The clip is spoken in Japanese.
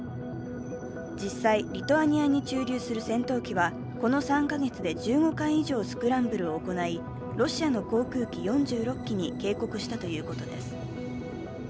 実際、リトアニアに駐留する戦闘機はこの３か月で１５回以上スクランブルを行い、ロシアの航空機４６機に警告したということです。